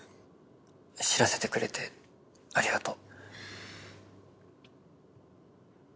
知らせてくれてありがとう。